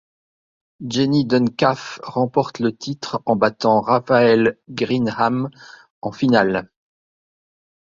Jenny Duncalf remporte le titre en battant Rachael Grinham en finale.